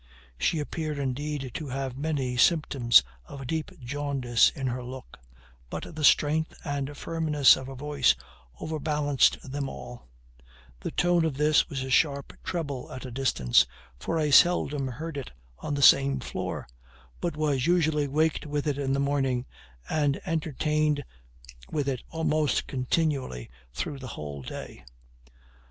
She appeared, indeed, to have many symptoms of a deep jaundice in her look; but the strength and firmness of her voice overbalanced them all; the tone of this was a sharp treble at a distance, for I seldom heard it on the same floor, but was usually waked with it in the morning, and entertained with it almost continually through the whole day.